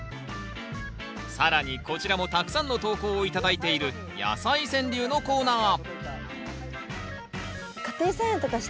更にこちらもたくさんの投稿を頂いている「やさい川柳」のコーナー！